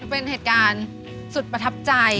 เป็นเหตุการณ์สุดประทับใจ